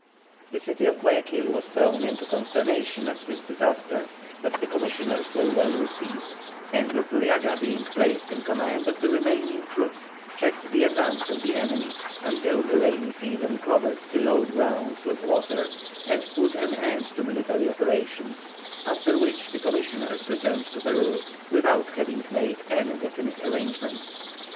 The city of Guayaquil was thrown into consternation at this disaster, but the commissioners were well received, and Luzuriaga being placed in command of the remaining troops, checked the advance of the enemy, until the rainy season covered the low grounds with water and put an end to military operations; after which the commissioners returned to Peru, without having made any definite arrangement.